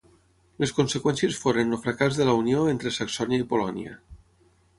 Les conseqüències foren el fracàs de la unió entre Saxònia i Polònia.